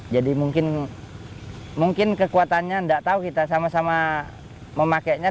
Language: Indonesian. jadi mungkin kekuatannya tidak tahu kita sama sama memakainya